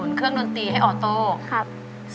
คุณแม่รู้สึกยังไงในตัวของกุ้งอิงบ้าง